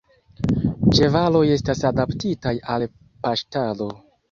Ĉevaloj estas adaptitaj al paŝtado.